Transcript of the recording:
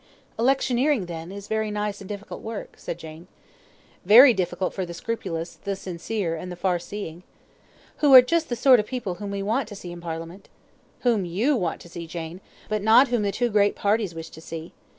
"Electioneering, then, is very nice and difficult work," said Jane. "Very difficult for the scrupulous, the sincere, and the far seeing." "Who are just the sort of people whom we want to see in Parliament." "Whom YOU want to see, Jane, but not whom the two great parties wish to see.